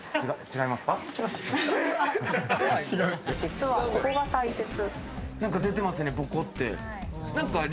違いますか？